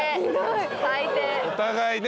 お互いね。